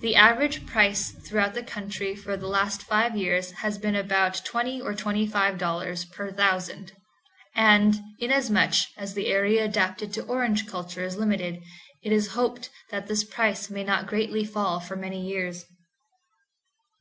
The average price throughout the county for the last five years has been about $20 or $25 per thousand; and, inasmuch as the area adapted to orange culture is limited, it is hoped that this price may not greatly fall for many years.